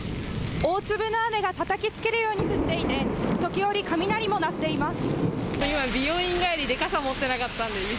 大粒の雨がたたきつけるように降っていて時折、雷も鳴っています。